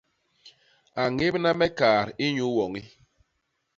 A ñébna me kaat inyuu woñi.